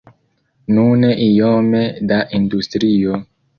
Nune iome da industrio.